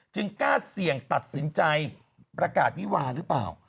กล้าเสี่ยงตัดสินใจประกาศวิวาหรือเปล่า